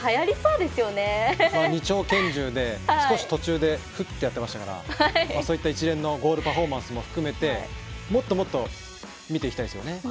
２丁拳銃で途中でふっとやってましたからそういった一連のゴールパフォーマンスも含めてもっともっと見ていきたいですよね。